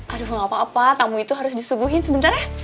aduh gak apa apa kamu itu harus disubuhin sebentar ya